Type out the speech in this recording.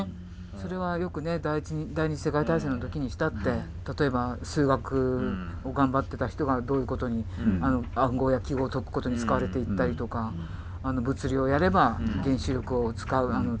それはよくね第２次世界大戦の時にしたって例えば数学を頑張ってた人がどういうことに暗号や記号を解くことに使われていったりとか物理をやれば原子力を作るものになってったりとか。